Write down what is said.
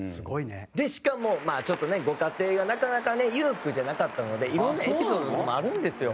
しかも、まあ、ちょっとねご家庭が、なかなかね裕福じゃなかったのでいろんなエピソードとかもあるんですよ。